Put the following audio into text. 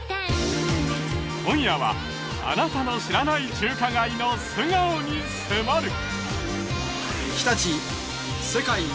今夜はあなたの知らない中華街の素顔に迫る！